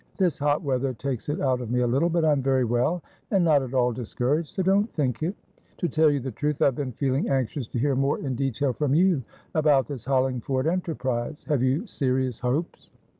This hot weather takes it out of me a little, but I'm very well and not at all discouraged; so don't think it. To tell you the truth, I've been feeling anxious to hear more in detail from you about this Hollingford enterprise. Have you serious hopes?"